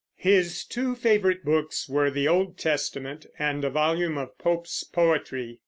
His two favorite books were the Old Testament and a volume of Pope's poetry.